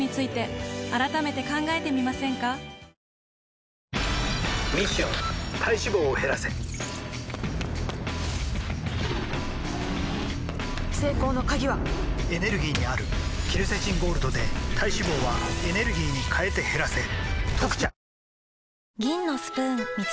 ミッション体脂肪を減らせ成功の鍵はエネルギーにあるケルセチンゴールドで体脂肪はエネルギーに変えて減らせ「特茶」